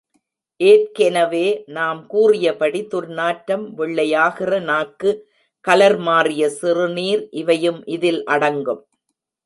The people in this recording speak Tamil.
ஏற்கெனவே நாம் கூறிய படி, துர்நாற்றம், வெள்ளையாகிற நாக்கு, கலர் மாறிய சிறுநீர் இவையும் இதில் அடங்கும்.